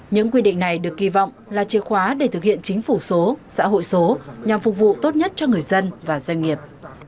những quy định này được kỳ vọng là chìa khóa để thực hiện chính phủ số xã hội số nhằm phục vụ tốt nhất cho người dân và doanh nghiệp